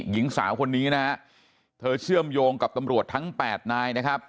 หญิงสาวคนนี้นะฮะเธอเชื่อมโยงกับตำรวจทั้ง๘นายนะครับ